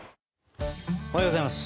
おはようございます。